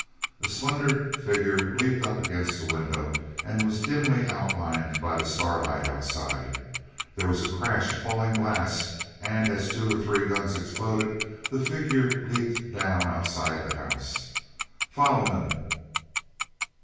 A slender figure leaped up against the window and was dimly outlined by the starlight outside. There was a crash of falling glass, and as two or three guns exploded the figure leaped down outside the house. "Follow him!"